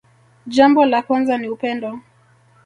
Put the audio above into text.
Jambo la kwanza ni upendo